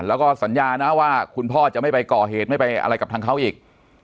แล้วก็สัญญานะว่าคุณพ่อจะไม่ไปก่อเหตุไม่ไปอะไรกับทางเขาอีก